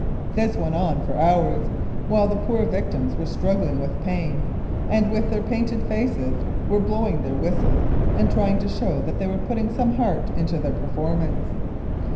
This went on for hours, while the poor victims were struggling with pain and, with their painted faces, were blowing their whistles and trying to show that they were putting some heart into their per formance.